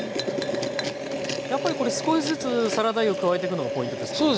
やっぱりこれ少しずつサラダ油を加えていくのがポイントですか？